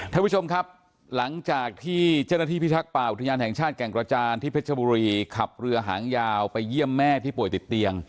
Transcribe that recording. ท่านผู้ชมครับหลังจากที่เจ้าหน้าที่พิทักษ์ป่าอุทยานแห่งชาติแก่งกระจานที่เพชรบุรีขับเรือหางยาวไปเยี่ยมแม่ที่ป่วยติดเตียง